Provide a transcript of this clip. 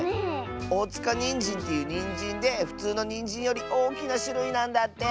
おおつかにんじんっていうにんじんでふつうのにんじんよりおおきなしゅるいなんだって！